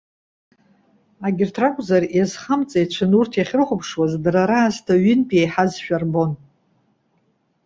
Агьырҭ ракәзар, иазхамҵаҩцәан урҭ иахьрыхәаԥшуаз дара раасҭа ҩынтә иеиҳазшәа ирбон.